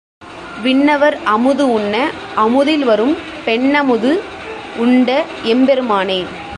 விண்ணவர் அமுது உண்ண அமுதில் வரும் பெண்ண முது உண்ட எம்பெருமானே!